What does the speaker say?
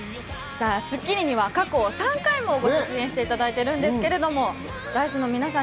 『スッキリ』には過去３回もご出演していただいてるんですけれどもＤａ−ｉＣＥの皆さん。